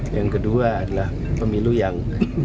yang kedua adalah pemilu yang